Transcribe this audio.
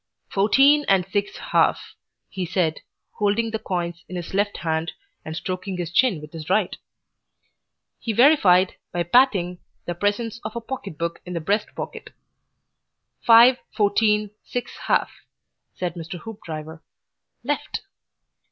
"Fourteen and six half," he said, holding the coins in his left hand and stroking his chin with his right. He verified, by patting, the presence of a pocketbook in the breast pocket. "Five, fourteen, six half," said Mr. Hoopdriver. "Left."